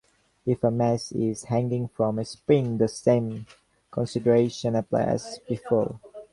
If a mass is hanging from a spring, the same considerations apply as before.